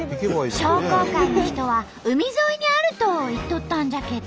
商工会の人は海沿いにあると言っとったんじゃけど。